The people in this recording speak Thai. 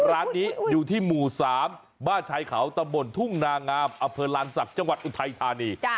ร้านนี้อยู่ที่หมู่๓บ้านชายเขาตำบลทุ่งนางามอำเภอลานศักดิ์จังหวัดอุทัยธานี